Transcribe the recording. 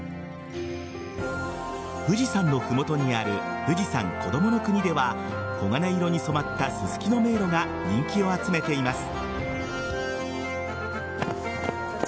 富士山の麓にある富士山こどもの国では黄金色に染まったススキの迷路が人気を集めています。